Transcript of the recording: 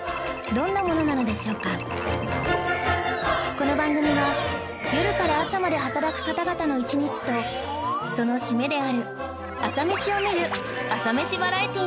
この番組は夜から朝まで働く方々の一日とその締めである朝メシを見る朝メシバラエティーなのです